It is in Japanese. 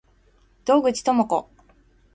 洞口朋子